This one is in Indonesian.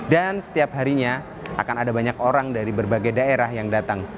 dan setiap harinya akan ada banyak orang dari berbagai daerah yang datang